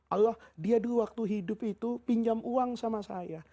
allah dia dulu waktu hidup itu pinjam uang sama saya